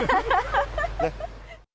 ねっ。